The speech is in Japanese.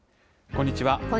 こんにちは。